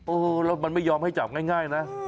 โอ้โหแล้วมันไม่ยอมให้จับง่ายนะ